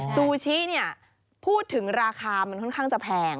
ซูชิเนี่ยพูดถึงราคามันค่อนข้างจะแพง